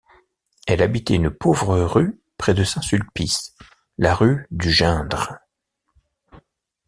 Elle habitait une pauvre rue près de Saint-Sulpice, la rue du Geindre.